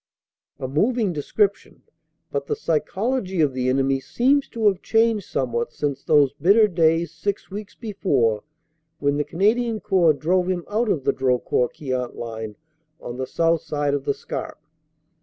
A moving description, but the psychology of the enemy seems to have changed somewhat since those bitter days six weeks before when the Canadian Corps drove him out of the Drocourt Queant line on the south side of the Scarpe.